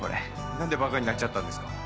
何でバカになっちゃったんですか？